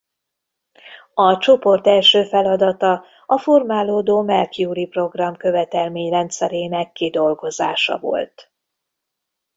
A csoport első feladata a formálódó Mercury-program követelményrendszerének kidolgozása volt.